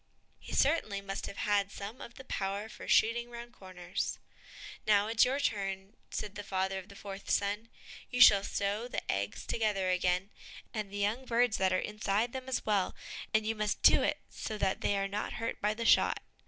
He certainly must have had some of the powder for shooting round corners. "Now it's your turn," said the father to the fourth son; "you shall sew the eggs together again, and the young birds that are inside them as well, and you must do it so that they are not hurt by the shot."